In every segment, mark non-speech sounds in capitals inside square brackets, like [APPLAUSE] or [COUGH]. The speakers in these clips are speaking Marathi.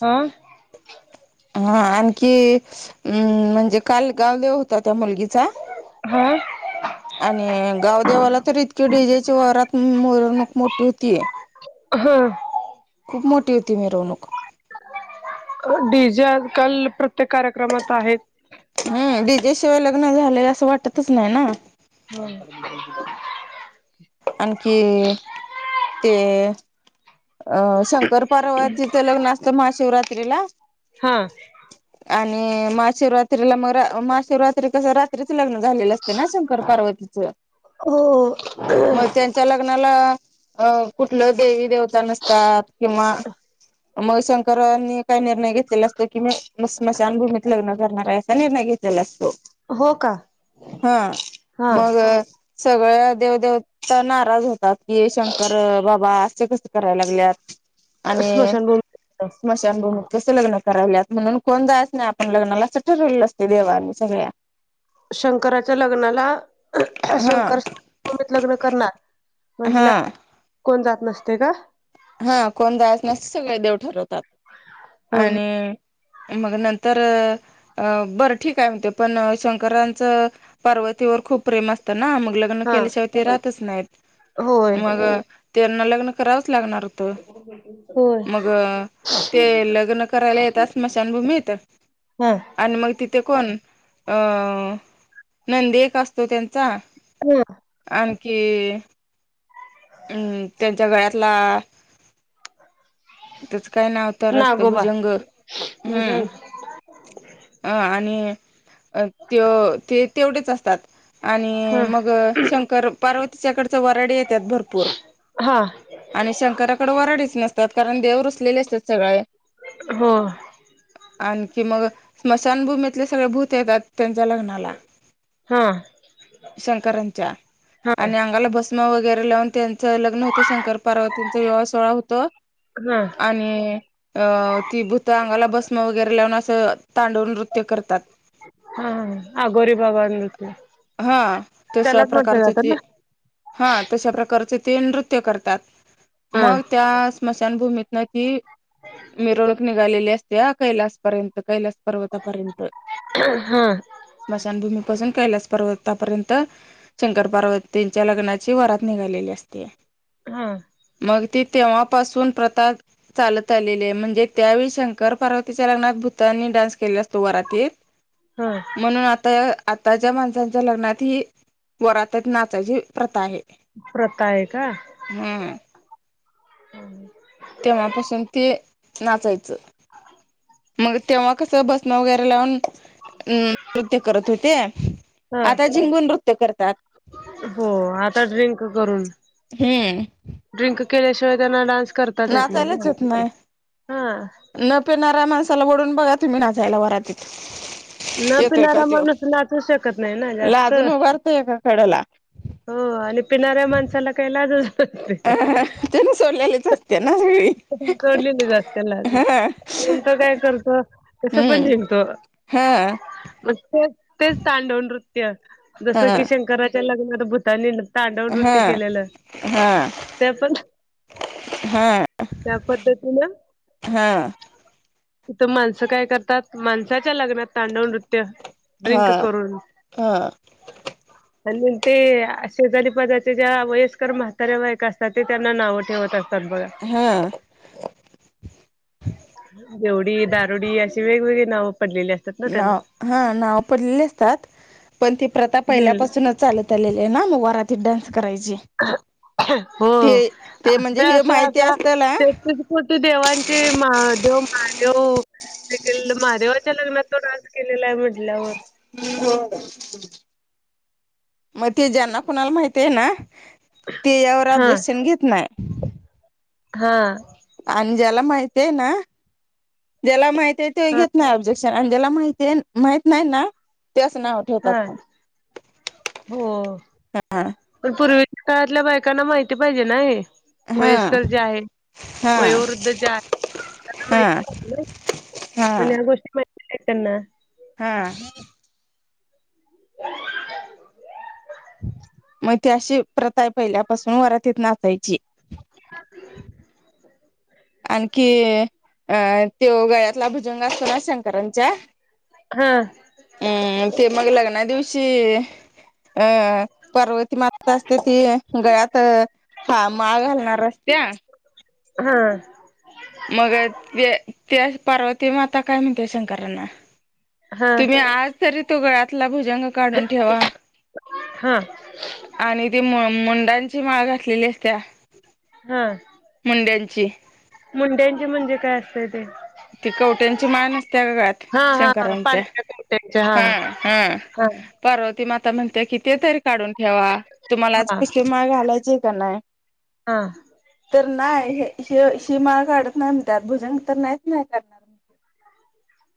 ह [INAUDIBLE] हा, आणखी अम्म म्हणजे, काल गावदेव होता त्या मुलगीचा. हा आणि, गावदेवाला तर इतके डीजेची वरात मिरणूक मोठी होती. हा खुप मोठी होती मिरवणूक. डी जे आजकाल प्रत्येक कार्यक्रमात आहेत. हम्म, डीजे शिवाय लग्न झालय अस वाटतच नाही ना. हो आणखी ते अ, शंकर पार्वतीच लग्न असत महाशिवरात्रीला. हा आणि, महाशिवरात्रीला म रा महाशिवरात्री कस रात त्रीच लग्न झालेल असत ना शंकर पार्वतीच. मग त्यांच्या लग्नाला अ कुठल देवी देवता नसतात. किंवा, म शंकरांनी काही निर्णय घेतलेला असताय की, मी म स्मशानभूमीत लग्न करणार आहे असा निर्णय घेतलेला असतो. ह मग सगळ देवदेवता नाराज होतात. की, ये शंकर बाबा अस कस कराय लागल्यात आणि स्मशानभूमी स्मशानभूमीत कस लग्न करायल्यात. म्हणून कोण जायच नाही आपण लग्नाला अस ठरवलेल अस ते देवांनी सगळ्या. शंकराच्या लग्नाला, हा शंकर स्मशानभूमीत लग्न करणार. हा म्हटल्याव कोण जात नसतय का? हा, कोण जायाच नाही अस सगळे देव ठरवतात. ह आणि मग नंतर अ, बर ठीक आहे म्हणतेय. पण शंकराच पार्वतीवर खूप प्रेम असत ना म ल ग्न हा केल्याशिय राहतच नाही. होय मग त्यांना लग्न करावच लागणार होत. होय. ते लग्न करायला येतात स्मशानभूमीत. बर. आणि मग तिथे कोण, अ् नंदी एक असतो त्यांचा. हम्म. आणखी. हम्म, त्यांच्या गळ्यातला, त्याच काय नाव - तर असत नागोबा भुजंग. भजन हम्म. अ् आणि तो ते तेवढेच असतात. आणि हा मग शंकर पार्वतीच्याकडच वराडी येतात भर्- पूर, हा आणि शंकराकडे वराडीच नसतात, कारण देव रुसलेले असतात सगळे. हो. आणखी मग स्मशानभूमीतले सगळे भूत येतात. त्यांच्या लग्नाला, हा शंकरांच्या. हा आणि अंगाला भस्- म वगैरे लावून तेल. च लग्न होतं. शंकर पार्वतीच विवाह सोहळा होतो, हा आणि अं, ती भूत अंगाला भस्म वगैरे लावून, असं तांडव नृत्य करतात. हं अगोरी बाबा नृत्य, त्यालाच म्हणल जात ना? हं तशा प्रकारचे ते नृत्य करतात, हा मग त्या- स्मशानभूमीतन ती मिरवणूक निघालेली असतीया कैलासपर्यंत कैलास- पर्वतापर्यंत. हा स्मशानभूमीपासून कैलासपर्वतापर्यंत, शंकर पार्वतीच्या लग्नाची वरात निघा- लेली असतीया. हम्म. मग ती तेव्हापासून प्रथा च्- चालत आलेले आहे, म्हणजे त्यावेळी शंकर पार्वतीच्या लग्नात भूतानी डान्स केला असतो वरातीत. [INAUDIBLE] हा. म्हणून आता आताच्या माणसांच्या लग्नात ही वरातीत नाचायची प्रथा आहे. प्रता आहे का. हा. तेव्हापासून ते नाचायचं. [UNINTELLIGIBLE] मग तेव्हा कसं भस्म वगैरे लावून- हम् नृत्य करत होते. हा आता झिंगून नृत्य करतात. हो आता ड्रिंक करून. हम्म ड्रिंक केल्याशिवाय त्यांना डान्स कर्- करताच येत नाही नाचायलाच ना येत नाही हा. न पिणारऱ्या माणसाला वडून बघा, तुम्ही नाचायला वरातीत. न येतोय का पिणारा त्यो माणूस, नाचू शकत नाही ना जास्त. लाजून उभारतोय एका कडेला हो आणि पिणाऱ्या माणसाला काही लाज डली त्याने सोडलेलीच असते ना सगळी गस कलाच [UNINTELLIGIBLE] हा पुढचा काय करतो, तस पण हम्म जिंकतो. हा. मग ते तेच तांडव नृत्य, जस की हा शंकराच्या लग्नात भूतानी न तांडव नृत्य हा केलेलं हा ते पण. हा त्या पद्धतीन हा तिथं माणसं काय करतात, माणसाच्या लग्नात तांडव नृत्य हा ड्रिंक हा करून [INAUDIBLE] आणि ते शेजारीपाजारचे ज्या वयस्कर म्हाताऱ्या बायका असतात, ते त्यांना नाव ठेवत असतात बघा. हा. बेवडी, दारुडी अशी वेगवेगळी नाव पडलेली असत नाव हा नाव पडलेली असतात, पण ती प्रथा हम्म पहिल्यापासूनच चालत आलेले आहे ना, मग वरातीत डान्स करायची. हो ते ते म्हणजे हे माहिती असल ना तेहत्तीस कोटी देवांचे महादेव महादेव [UNINTELLIGIBLE] लग्नात तो डान्स केलेला आहे म्हटल्यावर [INAUDIBLE] मग ते ज्यांना कुणाला माहीती आहे ना, ते यावर हा ऑब्जेक्शन घेत नाही. हा. आणि ज्याला माहीतीय आहे ना, ज्याला माहिती आहे, ते हा घेत नाही ऑब्जे क्शन आणि त्याला माहिती माहित नाही ना, ते असं नाव ठेव ठेवतात हा मग. हो हा. पण पूर्वीच्या काळातल्या बायकांना माहिती पाहिजे ना हे. हा वयस्कर जे आहे. हा वयोवृद्ध जे आहे, त्यांना माहिती हा पाहिजे. हा पण या गोष्टी माहिती नाहीत त्यांना. हा. [INAUDIBLE] मग ते अशी प्रथाय पहिल्यापासून वरातीत नाचायची. [UNINTELLIGIBLE] आणखी अं त्यो गळ्यातला भुजंग असत [UNINTELLIGIBLE] शंकरांच्या. हा अं ते मग लग्नादिवशी अं पर्वत माता असते ती गळ्यात हा, माळ घालणार [UNINTELLIGIBLE] हा. मग त्या पार्वती माता काय म्हणते शंकरांना? हा तुम्ही आज तरी तो गळ्यातला भुजंग काढून ठेवा. हा. आणि ती मुंडांची माळ घातलेली असत्या हा. मुंड्यांची. मुंड्यांची म्हणजे काय असतय ते? ती कवट्यांची माळ नसते का, गळ्यात हा हा हा शंकरांच्या, पांढऱ्या कुर्त्यांच्या हा हा. हा पार्वती माता म्हणते की, ते तरी काढून ठेवा. तुम्हाला आज हा [UNINTELLIGIBLE] घालायची का नाही? हा. तर ना, ही माळा काढत नाही म्हणत्यात, भुजंग तर नाहीच नाही का क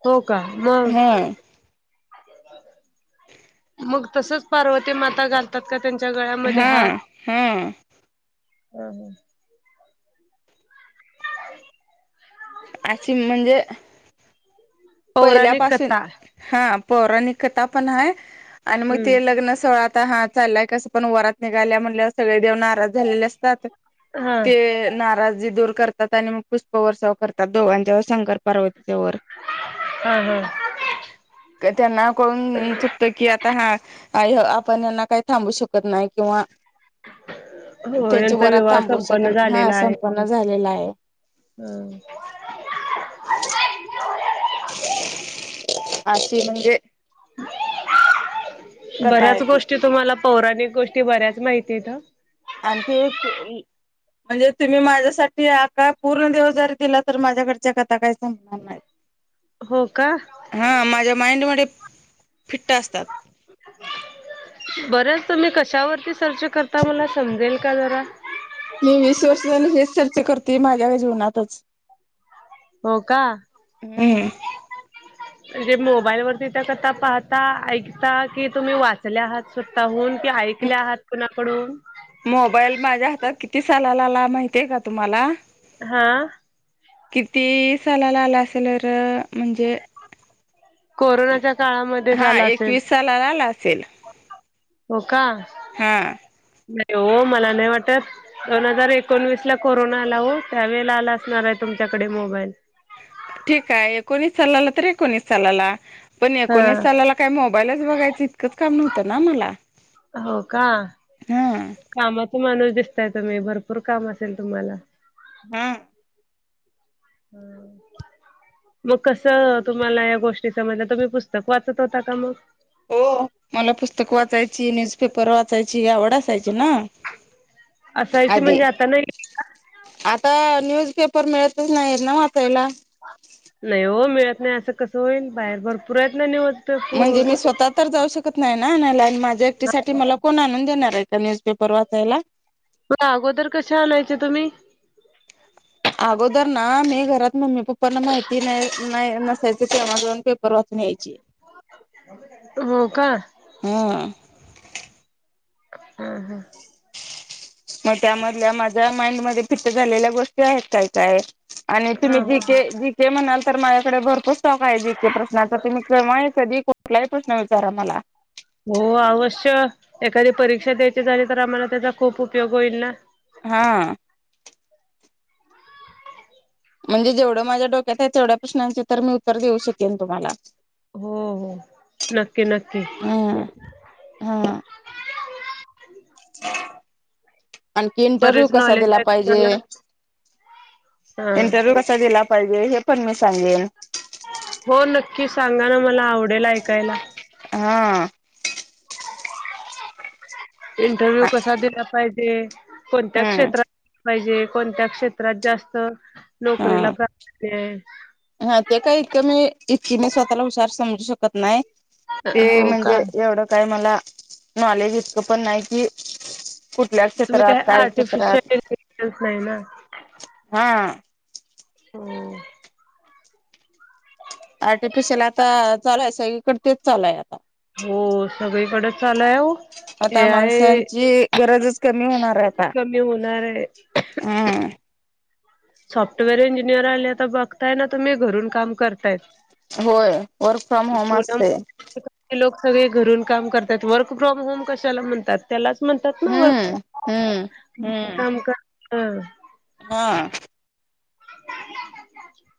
हो, का? मग. मग तसच पार्वती माता घालतात का त्यांच्या गळ्यामध्ये हा हार? हा हा हा अशी म्हणजे पौराणिक पहिल्यापासून, कथा हा पौराणिकथा पण आहे आणि मग ते हम्म लग्न सोहळा ता हा चालाय कस पण वरात निघाल्या म्हटल्यावर, सगळे देवन नाराज झालेले अस तात हा ते नाराजी दूर कर तात आणि मग पुष्प वर्साव करतात दोघांच्या व शंकर -पार्वतीच्या वर हम्म हम्म त्यांना कळून चुकतं की, आ ता हा आपण यांना काही थांबू शकत नाही किंवा हो त्यांची यांचा वरात विवाह थांबवू शक, संपन्न हा संपन्न झालेला आहे. हम्म अशी म्हणजे कथा बऱ्याच आहे ती गोष्टी, तुम्हाला पौराणिक गोष्टी बऱ्याच माहितीयत हं आणखी म्हणजे तुम्ही माझ्यासाठी आका पूर्ण दिवस जरी दिला, तर माझ्याकडच्या कताा काही संपगणार नाही. हो का? हा माझ्या माइंड मधे फिट्ट असतात. बरंच तुम्ही कशावरती सर्च करता मला समजेल का जरा? मी वीस वर्ष झाली हेच सर्च करते माझ्या जीवनातच हो का? हम्म म्हणजे मोबाईल वरती त्या कथा पाहता, ऐकता कि, तुम्ही वाचल्या आहात स्वताहून कि ऐक ल्या आहात कुणाकडून? मोबाईल माझ्या हातात किती सालालाला माहितीय का तुम्हाला? हा किती सालाला आला असेल र म्हणजे कोरोनाच्या काळामध्ये झाला असेल. चलाला आला असेल. हो का, हा नाही हो मला नाही वाटत. दोन हजार एकोणवीस ला कोरोना आला हो, त्यावेेळेला आला असणार आहे तुमच्याकडे मोबाईल. ठीक आहे एकोणीस सालाला तर, एकोणीस सालाला. पण हा एकोणीस सालाला काही मोबाईलच बघायचं इतकंच काम नव्हतं ना मला. हो का, हा कामाच माणूस दिसताय तुम्ही, भरपूर काम असेल तुम्हाला. हं हम्म मग कसं तुम्हाला या गोष्टी समजल्या, तुम्ही पुस्तक वाचत होता का मग? हो, मला पुस्तक वाचायची न्यूजपेपर वाचायची आवड असायची ना. असायची आधी म्हणजे आता नाही? आता न्यूज पेपर मिळतच नाहीत ना वाचायला. नाही हो मिळत नाही असं कस होईल? बाहेर भर पुरेत ना निवज म्हणजे मी स्वतः तर जाऊ शकत नाही ना आणायला आणि माझ्या एकटीसाठी मला कोण आणून देणार आहे का न्यूजपेपर वाचायला? अगोदर कसे आणांयचे तुम्हीं अगोदर नां मी घरांत मम्मी पप्पांना माहिती नाहीं नाहीं नसायचं तेव्हां करूंन परवर्तन घायची हो कां हां हम्मं हम्मं मंग त्यांमधल्या माझ्यां माइंडमध्यें फितं झालेल्या गोष्टी आहेतं कायं कायं आणि तुम्हीं जी के ह जी ते म्हणालं तरं माझ्यांकडे भरंपूर स्टॉक आहे जे इके प्रश्नाचा तुम्हीं केव्हां ए कधीं कुंठलाही प्रश्न विचारां मलां हो अवश्य एखांदी परीक्षा द्यायची झाली तरं आम्हांला त्यांचा खूंप उपयोग होईल नां हां म्हणजे जेवढं माझ्यां डोक्यांत आहे तेवढ्यां प्रश्नां तरं मी उत्तरं देऊ शकेन तुम्हांला हो हो नक्की नक्की हम्मं हां आंणखी इंटरव्ह्यूं बरेच कसां नॉलेज दिला आहे पाहिजे तुम्हाला हा इंटरव्यूं कसां द्यायचा आहे पणं मंग सांगेन हो नक्की सांगा नां मलां आवडेल ऐकायलां हां इंटरव्ह्यूं कसां दिलां पाहिजे कोणत्यां हम्म क्षेत्रांत पाहिजे कोणत्यां क्षेत्रांत जास्तं नोकरीलां प्रापतं हां ते कांहीं इतकं मी इतकी मं स्वंतःला हुंशार समजूं शकतं नाहीं ते हो का म्हणजे एवढं कायं मलां नॉलेज इतकं पणं नाहीं कि कुंठल्या तुम्ही क्षेत्रांत काय काम क्षेत्रांत आर्टिफिशियल इंटेलिजन्स नाही ना हां हम्मं आर्टिफिशियलं आंता चालायं सगळींकडे तेचं चालयं हो सगळींकडे चालांय हो हे आहे गरजचं कमी होणारं आहे आंता होणार आहे हंम सॉफ्टवेअर इंजिनिअर आले तरं बघतांय नां ते मी घरूंन कामं करतायं होयं वर्क फ्रॉम होमं असते ते लोकं सगळें घरूंन कामं करतांत वर्क फ्रॉम होमं कशांला म्हणतांत त्यांला म्हणतांत नां वंक हम्म हम्म कामं करं हं हां [UNINTELLIGIBLE]